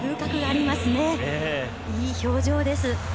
いい表情です。